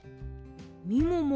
みもも